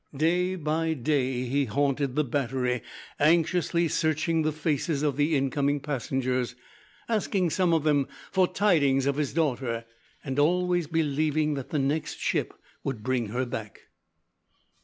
Day by day, he haunted the Battery, anxiously searching the faces of the incoming passengers, asking some of them for tidings of his daughter, and always believing that the next ship would bring her back.